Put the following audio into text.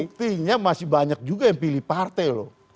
buktinya masih banyak juga yang pilih partai loh